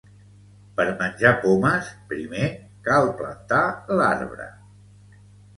Per menjar pomes primer cal plantar l'arbre